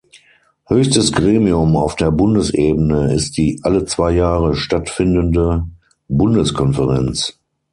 Höchstes Gremium auf der Bundesebene ist die alle zwei Jahre stattfindende Bundeskonferenz.